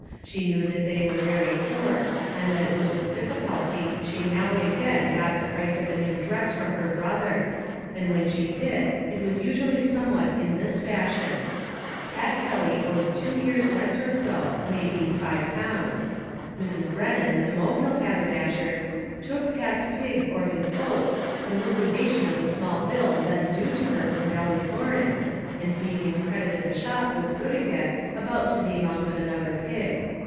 She knew they were very poor, and that it was with difficulty she now and again got the price of a new dress from her brother; and when she did, it was usually somewhat in this fashion: Pat Kelly owed two years' rent or so, may be five pounds. Mrs. Brennan, the Mohill haberdasher, took Pat's pig or his oats in liquidation of the small bill then due to her from Ballycloran, and Feemy's credit at the shop was good again about to the amount of another pig.